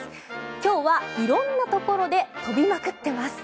今日は色んなところで飛びまくってます。